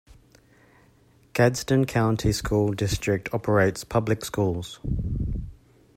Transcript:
Gadsden County School District operates public schools.